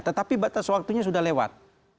tetapi batas waktunya sudah lewat